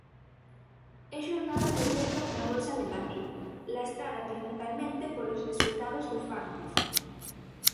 E xornada de perdas na bolsa de Madrid, lastrada principalmente polos resultados dos bancos.